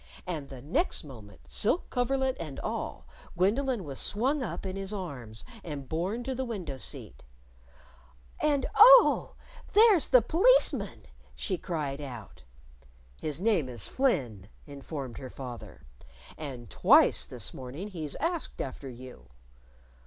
And the next moment, silk coverlet and all, Gwendolyn was swung up in his arms and borne to the window seat. "And, oh, there's the P'liceman!" she cried out. "His name is Flynn," informed her father. "And twice this morning he's asked after you."